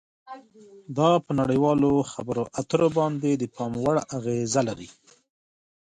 دا په نړیوالو خبرو اترو باندې د پام وړ اغیزه لري